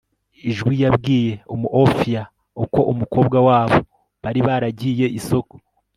ijwi yabwiye umuofia uko umukobwa wabo bari baragiye isoko